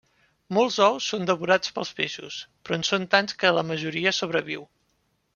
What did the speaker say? Molts ous són devorats pels peixos, però en són tants que la majoria sobreviu.